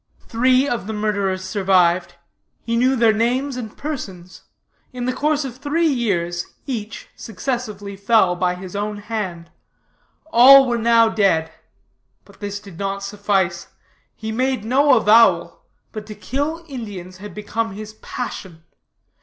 "'Three of the murderers survived. He knew their names and persons. In the course of three years each successively fell by his own hand. All were now dead. But this did not suffice. He made no avowal, but to kill Indians had become his passion.